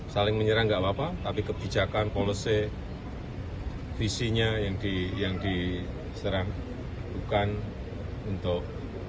saling menyerang enggak apa apa tapi kebijakan polisi visinya yang diserang bukan untuk